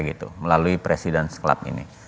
gitu melalui presiden club ini